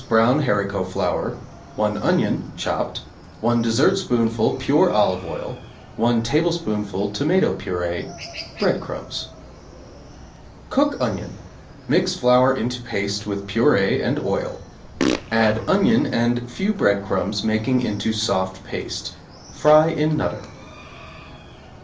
brown haricot flour, 1 onion (chopped), 1 dessertspoonful pure olive oil, 1 tablespoonful tomato purée, breadcrumbs. Cook onion; mix flour into paste with purée and oil; add onion and few breadcrumbs making into soft paste. Fry in 'Nutter.'